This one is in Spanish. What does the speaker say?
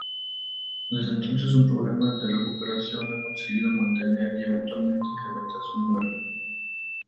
Desde entonces un programa de recuperación ha conseguido mantener y eventualmente incrementar su número.